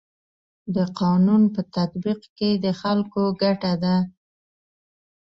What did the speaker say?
د قانون په تطبیق کي د خلکو ګټه ده.